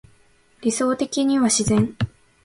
理想的には自然